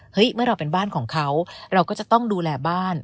เมื่อเราเป็นบ้านของเขาเราก็จะต้องดูแลบ้าน